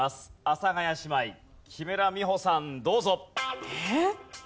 阿佐ヶ谷姉妹木村美穂さんどうぞ。えっ？